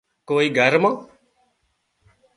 ڪوئي گھر مان